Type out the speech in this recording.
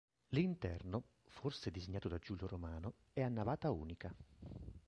L'interno, forse disegnato da Giulio Romano, è a navata unica.